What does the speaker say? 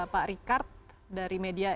pak rikard dari media